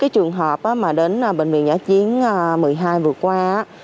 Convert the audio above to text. trường hợp đến bệnh viện dạy chiến số một mươi hai vừa qua